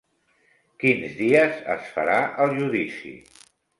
Quins dies es farà el judici?